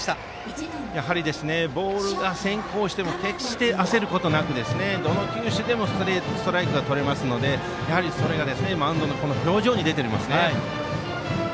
やはりボールが先行しても決して焦ることなくどの球種でもストライクがとれますのでそれが、マウンドの表情にも出ていますね。